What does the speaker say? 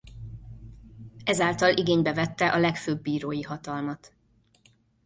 Ezáltal igénybe vette a legfőbb bírói hatalmat.